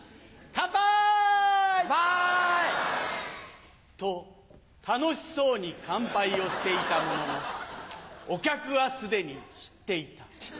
カンパイ！と楽しそうに乾杯をしていたもののお客はすでに知っていた。